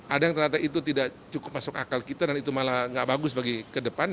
ada yang ternyata itu tidak cukup masuk akal kita dan itu malah nggak bagus bagi ke depan